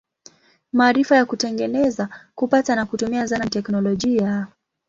Maarifa ya kutengeneza, kupata na kutumia zana ni teknolojia.